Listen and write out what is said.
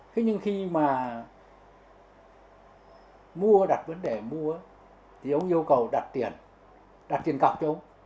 thế nhưng khi mà mua đặt vấn đề mua thì ông yêu cầu đặt tiền đặt tiền cọc cho ông